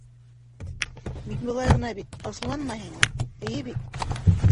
Мин былай ғына бит, асыуланмайһыңмы, эйе бит?